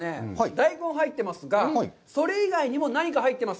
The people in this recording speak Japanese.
大根が入ってますが、それ以外にも何か入ってます。